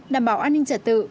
đảm bảo an ninh trật tự